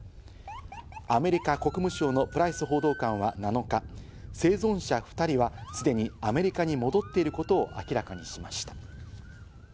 アメリカ国務省のプライス報道官は７日、生存者２人はすでにアメリカに戻っていることを明らかにしました。